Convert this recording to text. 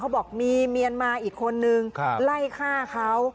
บอกมีเมียนมาอีกคนนึงไล่ฆ่าเขา